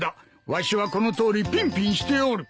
わしはこのとおりピンピンしておる。